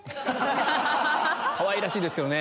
かわいらしいですけどね